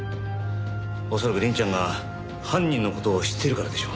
恐らく凛ちゃんが犯人の事を知っているからでしょう。